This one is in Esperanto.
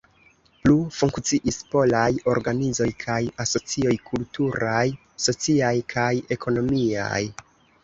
Plu funkciis polaj organizoj kaj asocioj kulturaj, sociaj kaj ekonomiaj.